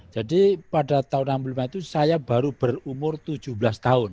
jadi pada tahun seribu sembilan ratus enam puluh lima itu saya baru berumur tujuh belas tahun